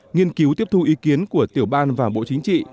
nghiên cứu tiếp thu ý kiến của tiểu ban và bộ chính trị